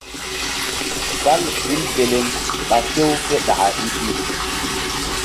Fal ɓil belem ɓa few ké ɗaka i-i.